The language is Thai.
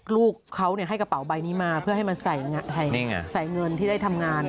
ลูกเขาให้กระเป๋าใบนี้มาเพื่อให้มันใส่เงินที่ได้ทำงาน